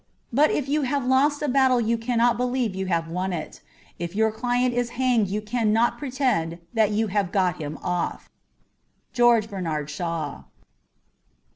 But if you have lost a battle you cannot believe you have won it ; if your client is hanged you cannot pretend that you have got him off. ' Georie Bernard Shaw.'